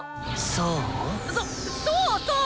そそうそう！